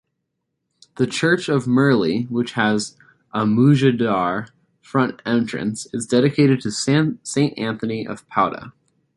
The church of Merli which has a Mudejar front entrance is dedicated to Saint Anthony of Padua.